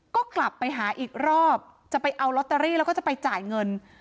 ก็กลับไปหาอีกรอบจะไปเอาลอตเตอรี่แล้วก็จะไปจ่ายเงิน